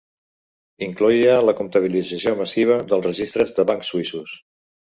Incloïa la comptabilització massiva de registres de bancs suïssos.